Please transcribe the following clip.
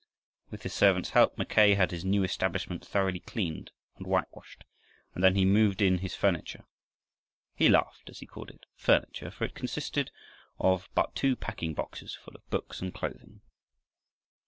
With his servant's help Mackay had his new establishment thoroughly cleaned and whitewashed, and then he moved in his furniture. He laughed as he called it furniture, for it consisted of but two packing boxes full of books and clothing.